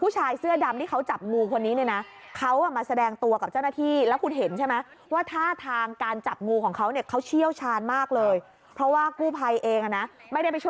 ใช่ค่ะปิดซิบรูดปิดใบ